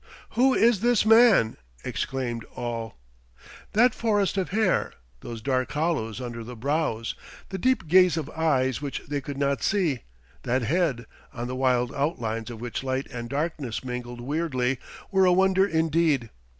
"Who is this man?" exclaimed all. That forest of hair, those dark hollows under the brows, the deep gaze of eyes which they could not see, that head, on the wild outlines of which light and darkness mingled weirdly, were a wonder indeed.